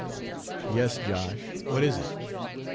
"Yes, Josh; what is it?"